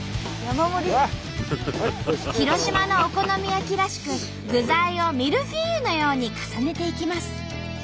広島のお好み焼きらしく具材をミルフィーユのように重ねていきます。